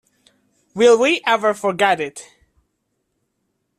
Will we ever forget it.